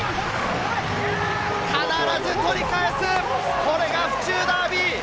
必ず取り返す、これが府中ダービー！